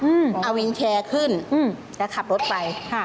เอาวิงแชร์ขึ้นแล้วขับรถไป